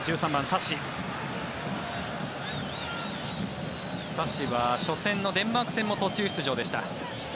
サシは初戦のデンマーク戦も途中出場でした。